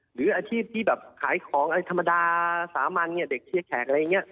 หรืออาชีพที่แบบขายของอะไรธรรมดาสามัญเนี่ยเด็กเชียร์แขกอะไรอย่างนี้